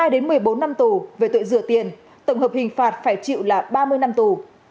hai đến một mươi bốn năm tù về tội rửa tiền tổng hợp hình phạt phải chịu là ba mươi năm tù